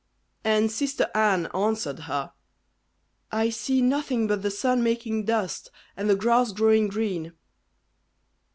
And sister Anne answered her, "I see nothing but the sun making dust, and the grass growing green."